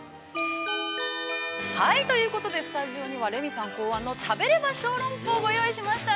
◆ということで、スタジオには、レミさん考案の食べれば小籠包ご用意しました。